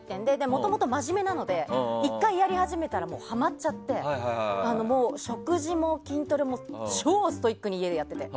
もともとまじめなので１回やり始めたらハマっちゃって、食事も筋トレも超ストイックに家でやって。